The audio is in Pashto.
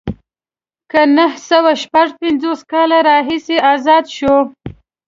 له نهه سوه شپږ پنځوس کال راهیسې ازاد شو.